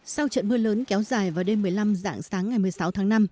sau trận mưa lớn kéo dài vào đêm một mươi năm dạng sáng ngày một mươi sáu tháng năm